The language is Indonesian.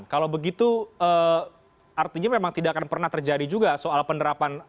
kalau begitu artinya memang tidak akan pernah terjadi juga soal penerapan